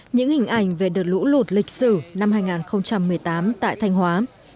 những hình ảnh về đợt lũ lụt lịch sử năm hai nghìn một mươi tám tại thanh hóa